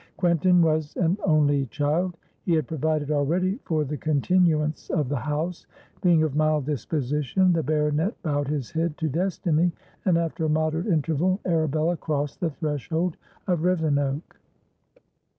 Quentin was an only child; he had provided already for the continuance of the house; being of mild disposition, the baronet bowed his head to destiny, and, after a moderate interval, Arabella crossed the threshold of Rivenoak.